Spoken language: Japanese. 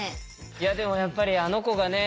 いやでもやっぱりあの子がね